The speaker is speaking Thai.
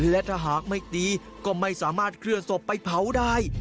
และถ้าหากไม่ตีก็ไม่สามารถเคลื่อนศพไปเผาได้